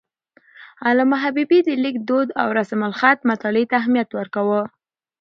علامه حبيبي د لیک دود او رسم الخط مطالعې ته اهمیت ورکاوه.